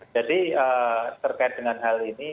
jadi terkait dengan hal ini